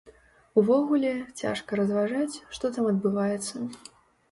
Увогуле, цяжка разважаць, што там адбываецца.